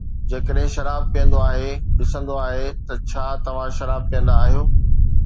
جيڪڏھن شراب پيئندو آھي، ڏسندو آھي ته ڇا توھان شراب پيئندا آھيو